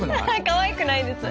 かわいくないです。